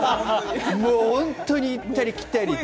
もう本当に行ったり来たりで。